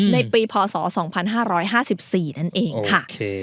ในปีพศ๒๕๕๔นั่นเองค่ะ